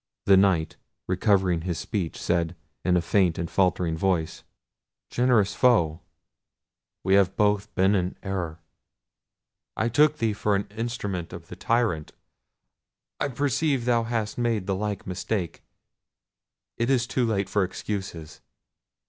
The Knight recovering his speech, said, in a faint and faltering voice— "Generous foe, we have both been in an error. I took thee for an instrument of the tyrant; I perceive thou hast made the like mistake. It is too late for excuses.